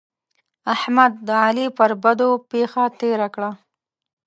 احمد؛ د علي پر بدو پښه تېره کړه.